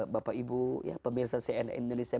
bapak ibu pemirsa cna indonesia